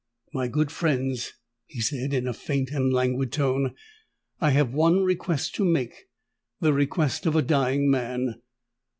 "My good friends," he said, in a faint and languid tone, "I have one request to make—the request of a dying man!"